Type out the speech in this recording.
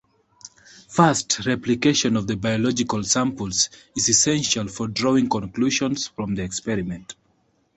First, replication of the biological samples is essential for drawing conclusions from the experiment.